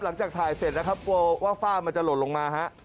หลังจากถ่ายเสร็จนะครับกลัวว่าฝ้ามันจะหล่นลงมาฮะ